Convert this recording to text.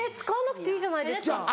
使わなくていいじゃないですか。